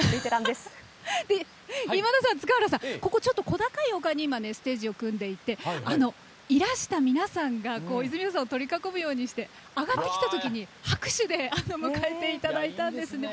ここ、小高い丘にステージを組んでいていらした皆さんが泉谷さんを取り囲むようにして上がってきたときに拍手で迎えていただいたんですね。